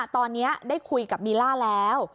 ตอนนี้ได้คุยกับบีล่าแล้ว